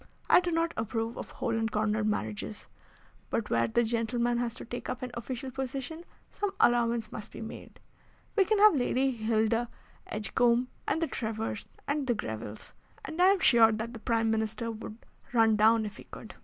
I do not approve of hole and corner marriages, but where the gentleman has to take up an official position some allowance must be made. We can have Lady Hilda Edgecombe, and the Trevors, and the Grevilles, and I am sure that the Prime Minister would run down if he could."